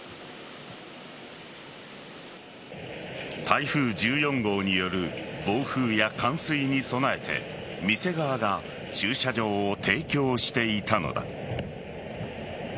台風１４号による暴風や冠水に備えて店側が駐車場を提供していたのだ。